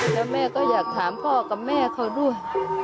แล้วแม่ก็อยากถามพ่อกับแม่เขาด้วย